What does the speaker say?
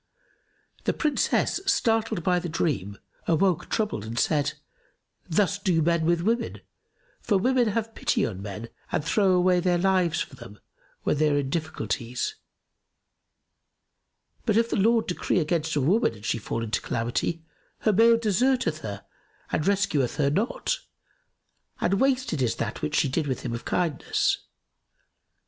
The Princess startled by the dream awoke troubled, and said, 'Thus do men with women, for women have pity on men and throw away their lives for them, when they are in difficulties; but if the Lord decree against a woman and she fall into calamity, her mate deserteth her and rescueth her not, and wasted is that which she did with him of kindness.